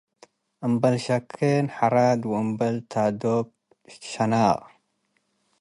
እምበል ሸኬን ሐራድ - ወእምበል ተዶብ ሸናቅ፣